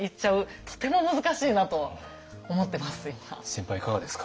先輩いかがですか？